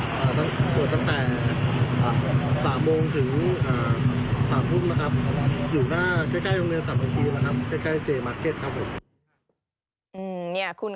อยู่หน้าคล้ายตรงเนื้อสำหรับทีนะครับ